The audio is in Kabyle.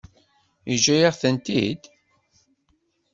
Yeǧǧa-yaɣ-tent-id?